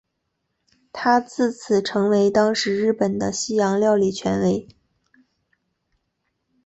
他自此成为当时日本的西洋料理权威。